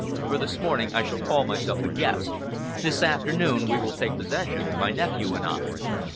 For this morning I shall call myself a guest. This afternoon we will take possession my nephew and I!"